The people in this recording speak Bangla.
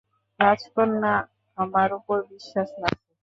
রাজকন্যা, আমার উপর বিশ্বাস রাখো।